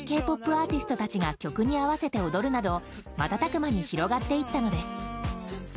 アーティストたちが曲に合わせて踊るなど瞬く間に広がっていったのです。